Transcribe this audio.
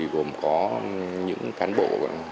gồm có những cán bộ